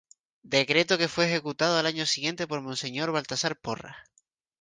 Decreto que fue ejecutado al año siguiente por Monseñor Baltazar Porras.